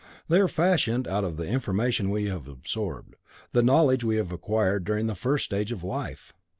They are fashioned out of the information we have absorbed, the knowledge we have acquired during the first stage of life."